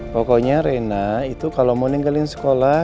pokoknya rena itu kalau mau ninggalin sekolah